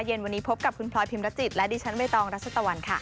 เย็นวันนี้พบกับคุณพลอยพิมรจิตและดิฉันใบตองรัชตะวันค่ะ